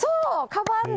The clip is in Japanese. かばん？